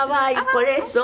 これそう？